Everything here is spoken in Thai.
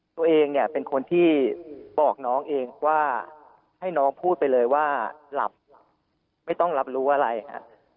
ตัวเองเนี่ยเป็นคนที่บอกน้องเองว่าให้น้องพูดไปเลยว่าหลับไม่ต้องรับรู้อะไรฮะ